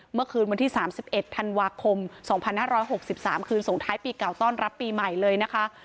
เมื่อคืนวันที่๓๑ธันวาคม๒๕๖๓คืนส่งท้ายปีเก่าต้อนรับปีใหม่เลยนะคะ